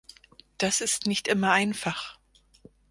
Das ist nicht immer einfach.